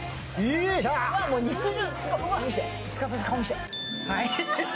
すかさず顔見せて。